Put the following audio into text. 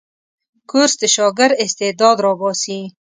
کورس د شاګرد استعداد راباسي.